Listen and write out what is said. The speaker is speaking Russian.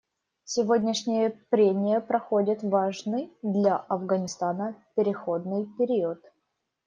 Сегодняшние прения проходят в важный для Афганистана переходный период.